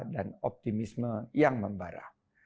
dan optimisme yang membara